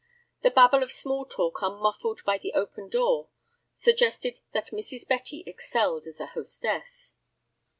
The babble of small talk unmuffled by the open door suggested that Mrs. Betty excelled as a hostess.